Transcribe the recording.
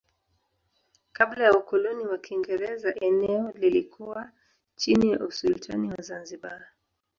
Kabla ya ukoloni wa Kiingereza eneo lilikuwa chini ya usultani wa Zanzibar.